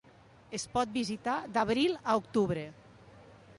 Es pot visitar d'abril a octubre.